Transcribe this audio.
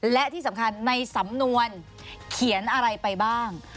และที่สำคัญในสำนวนเขียนอะไรไปบ้าง